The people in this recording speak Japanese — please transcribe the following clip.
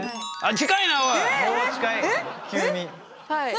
近いな！